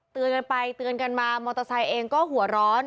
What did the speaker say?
กันไปเตือนกันมามอเตอร์ไซค์เองก็หัวร้อน